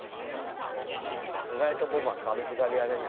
意外とポポは寂しがり屋でね